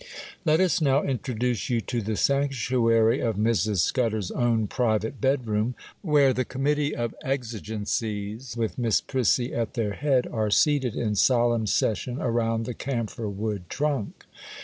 Let us now introduce you to the sanctuary of Mrs. Scudder's own private bedroom, where the committee of exigencies, with Miss Prissy at their head, are seated in solemn session around the camphor wood trunk.